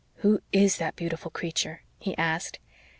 "Who is that beautiful creature?" he asked.